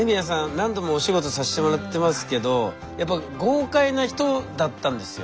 何度もお仕事さしてもらってますけどやっぱ豪快な人だったんですよ。